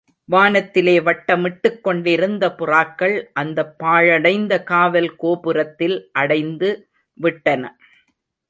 வானத்திலே வட்டமிட்டுக் கொண்டிருந்த புறாக்கள் அந்தப் பாழடைந்த காவல் கோபுரத்தில் அடைந்து விட்டன.